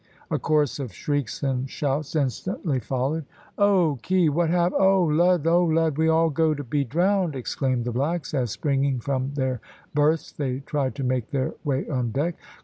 A chorus of shrieks and shouts instantly followed. "Oh, ki! what happen! Oh lud oh lud we all go to be drowned!" exclaimed the blacks, as springing from their berths they tried to make their way on deck.